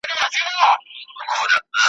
د خان زوی وسو په کلي کي ښادي سوه ,